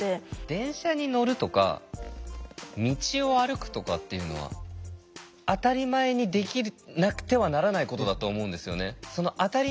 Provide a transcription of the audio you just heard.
電車に乗るとか道を歩くとかっていうのは当たり前にできなくてはならないことだと思うんですよね。